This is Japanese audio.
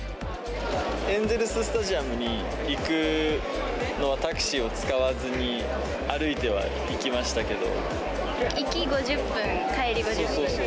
エンゼルススタジアムに行くのはタクシーを使わずに、行き５０分、帰り５０分。